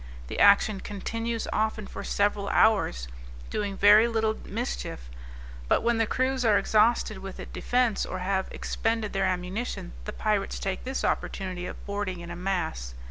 The action continues often for several hours, doing very little mischief; but when the crew are exhausted with the defence, or have expended their ammunition, the pirates take this opportunity of boarding in a mass.